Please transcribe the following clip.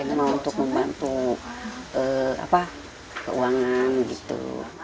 mau untuk membantu keuangan gitu